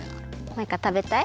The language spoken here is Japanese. マイカたべたい？